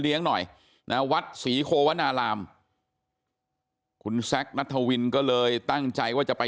หน่อยนะวัดศรีโควนารามคุณแซคนัทวินก็เลยตั้งใจว่าจะไป